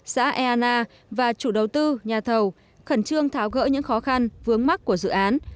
xã eana và chủ đầu tư nhà thầu khẩn trương tháo gỡ những khó khăn vướng mắt của dự án